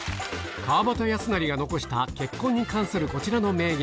川端康成が残した結婚に関するこちらの名言